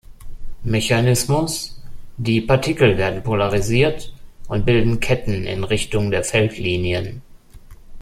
Mechanismus: die Partikel werden polarisiert und bilden Ketten in Richtung der Feldlinien.